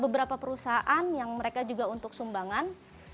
beberapa perusahaan yang mereka juga untuk sumbangan